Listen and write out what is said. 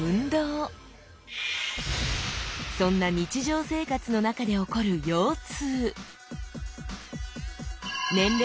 そんな日常生活の中で起こる腰痛